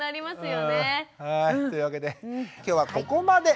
うんはいというわけで今日はここまで！